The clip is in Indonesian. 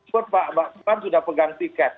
mbak kwan sudah pegang tiket